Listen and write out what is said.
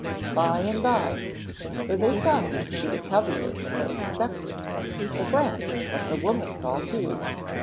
By and bye for they found she was heavier than they expected the brants let the woman fall too.